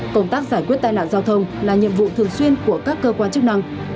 công tác giải quyết tai nạn giao thông là nhiệm vụ thường xuyên của các cơ quan chức năng